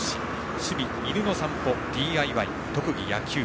趣味、犬の散歩、ＤＩＹ特技、野球。